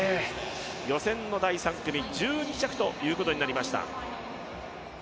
予選の第３組、１２着ということになりました。